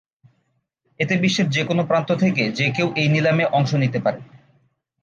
এতে বিশ্বের যে কোন প্রান্ত থেকে যে কেউ এই নিলামে অংশ নিতে পারে।